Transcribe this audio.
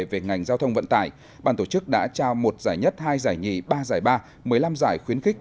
về ngành giao thông vận tải bàn tổ chức đã trao một giải nhất hai giải nhì ba giải ba một mươi năm giải khuyến khích